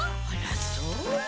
あらそう。